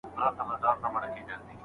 لوبه کول د ماشومانو حق دی.